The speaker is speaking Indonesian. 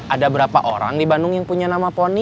ada berapa orang di bandung yang punya nama poni